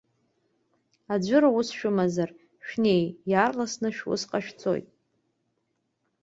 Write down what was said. Аӡәыр ус шәымазар, шәнеи, иаарласны шәус ҟашәҵоит.